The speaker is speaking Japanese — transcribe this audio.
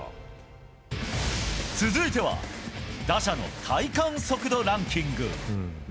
続いては打者の体感速度ランキング。